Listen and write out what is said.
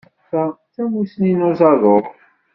Ta d tamussni n uzadur.